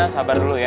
sabar dulu ya